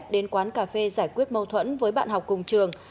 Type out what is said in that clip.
đến quán cà phê giải quyết mâu thuẫn với bạn học cùng trường